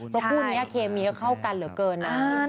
ก็ผู้นี้เขมีเข้ากันเหรอเกินนะ